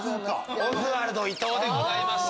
オズワルド・伊藤でございました。